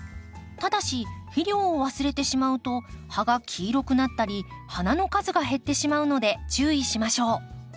ただし肥料を忘れてしまうと葉が黄色くなったり花の数が減ってしまうので注意しましょう。